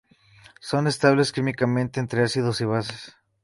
Son estables químicamente ante ácidos y bases.